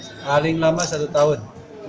silahkan berkoordinasi dengan angkutan